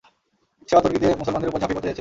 সে অতর্কিতে মুসলমানদের উপর ঝাঁপিয়ে পড়তে চেয়েছিল।